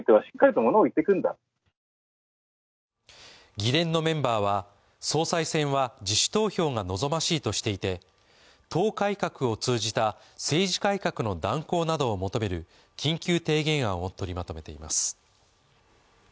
議連のメンバーは総裁選は自主投票が望ましいとしていて党改革を通じた政治改革の断行などを求める緊急提言案を取りまとめています。